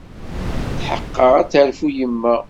Tḥeqqeɣ ad terfu yemma.